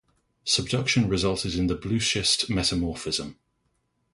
Subduction resulted in blueschist metamorphism.